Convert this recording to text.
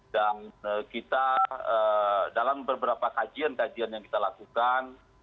dan kita dalam beberapa kajian kajian yang kita lakukan